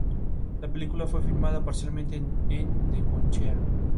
La economía, sin embargo, permaneció siendo demasiado dependiente del sector agrícola.